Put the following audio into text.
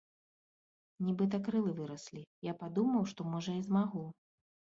Нібыта крылы выраслі, я падумаў, што можа і змагу!